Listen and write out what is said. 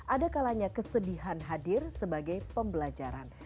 ada kalanya kesedihan hadir sebagai pembelajaran